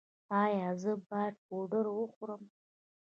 ایا زه باید پوډر وخورم؟